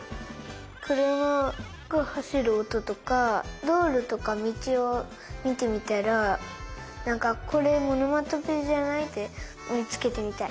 くるまがはしるおととかどうろとかみちをみてみたらなんかこれおのまとぺじゃない？ってみつけてみたい。